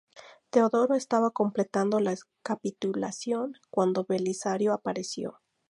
Teodoro estaba completando la capitulación, cuando Belisario apareció.